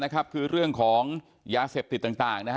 คือเรื่องของยาเสพติดต่าง